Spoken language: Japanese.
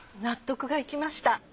納得がいきました。